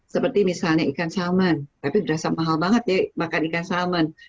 seperti misalnya ikan salmon tapi berasa mahal banget ya makan ikan salmon